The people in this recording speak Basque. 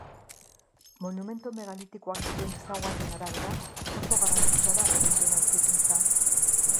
Monumentu megalitikoak dituen ezaugarrien arabera, oso garrantzitsua da egin duen aurkikuntza.